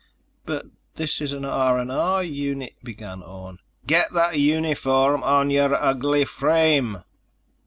"But this is an R&R uni—" began Orne. "Get that uniform on your ugly frame!"